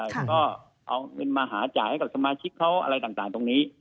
นำเงินหาจ่ายกับสมาชิกอะไรต่างตรงนี้